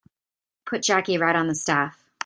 Put Jackie right on the staff.